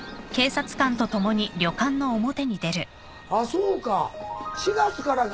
そうか４月からか。